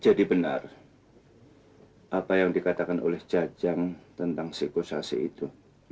jadi benar apa yang dikatakan oleh cajang tentang si gosasi itu